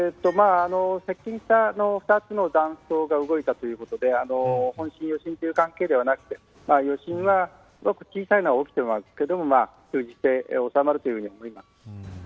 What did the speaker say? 接近した２つの断層が動いたということで本震、余震の関係ではなくて余震はごく小さいものは起きていますが数日で収まると思います。